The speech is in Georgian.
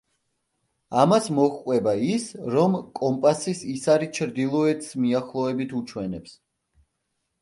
ამას მოჰყვება ის, რომ კომპასის ისარი ჩრდილოეთს მიახლოებით უჩვენებს.